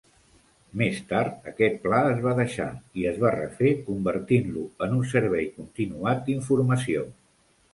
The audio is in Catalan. Més tard, aquest pla es va deixar i es va refer convertint-lo en un servei continuat d'informació.